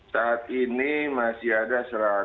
saat ini masih ada satu ratus delapan puluh dua